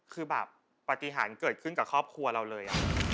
คือแบบปฏิหารเกิดขึ้นกับครอบครัวเราเลย